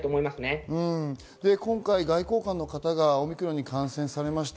今回外交官の方がオミクロンに感染されました。